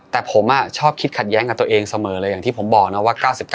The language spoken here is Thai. แต่ผมชอบคิดขัดแย้งกับตัวเองเสมอเลยอย่างที่ผมบอกนะว่า๙๙